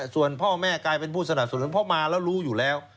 ส่วนพ่อแม่กลายเป็นผู้สนับสนุนเพราะมาแล้วรู้อยู่แล้ว